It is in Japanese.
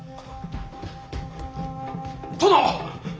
殿！